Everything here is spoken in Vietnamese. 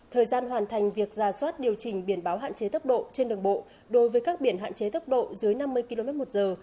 thời gian hoàn thành việc ra soát điều chỉnh biển báo hạn chế tốc độ trên đường bộ đối với các biển hạn chế tốc độ dưới năm mươi km một giờ